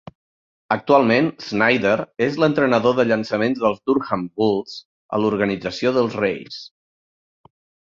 Actualment, Snyder és l'entrenador de llançaments dels Durham Bulls a l'organització dels Rays.